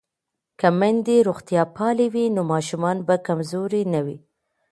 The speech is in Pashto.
که میندې روغتیا پالې وي نو ماشومان به کمزوري نه وي.